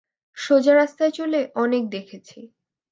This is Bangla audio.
সোজা রাস্তায় চলে অনেক দেখেছি।